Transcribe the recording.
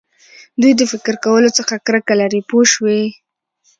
دوی د فکر کولو څخه کرکه لري پوه شوې!.